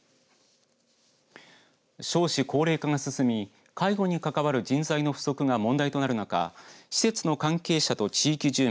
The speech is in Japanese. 少子高齢化が進み介護に関わる人材の不足が問題となる中施設の関係者と地域住民